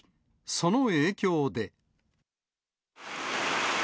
その影響で。